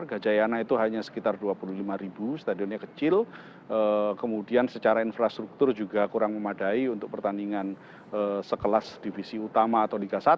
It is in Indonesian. gajayana itu hanya sekitar dua puluh lima ribu stadionnya kecil kemudian secara infrastruktur juga kurang memadai untuk pertandingan sekelas divisi utama atau liga satu